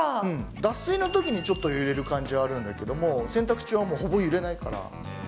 脱水のときにちょっと揺れる感じはあるんだけども、洗濯中はほぼ揺れないから。